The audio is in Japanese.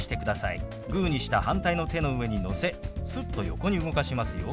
グーにした反対の手の上にのせすっと横に動かしますよ。